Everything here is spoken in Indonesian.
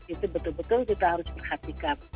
itu betul betul kita harus perhatikan